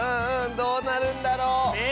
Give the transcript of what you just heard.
どうなるんだろう⁉ねえ。